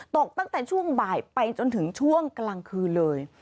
ตกตั้งแต่ช่วงบ่ายไปจนถึงช่วงกลางคืนเลย